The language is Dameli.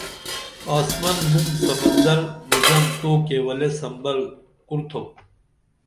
آسمن بُم سمندر نِظام تو کیولے سمبل کُرتھوپ